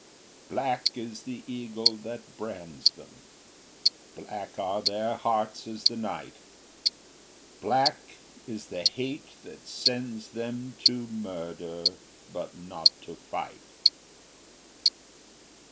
Black is the eagle that brands them, Black are their hearts as the night, Black is the hate that sends them To murder but not to fight.